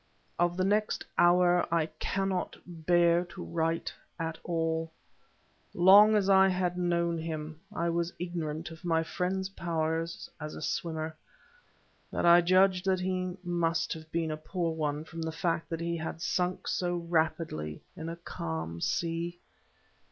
Of the next hour, I cannot bear to write at all. Long as I had known him, I was ignorant of my friend's powers as a swimmer, but I judged that he must have been a poor one from the fact that he had sunk so rapidly in a calm sea.